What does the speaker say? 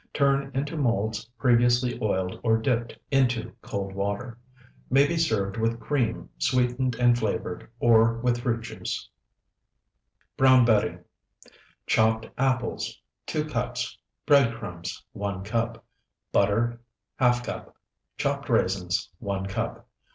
Turn into molds previously oiled or dipped into cold water. May be served with cream sweetened and flavored, or with fruit juice. BROWN BETTY Chopped apples, 2 cups. Bread crumbs, 1 cup. Butter, ½ cup. Chopped raisins, 1 cup.